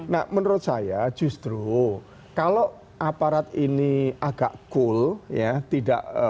nah menurut saya justru kalau aparat ini agak cool ya tidak